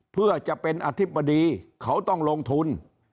เพื่อจะเป็นอธิบดีเขาต้องลงทุน